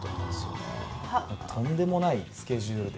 とんでもないスケジュールで。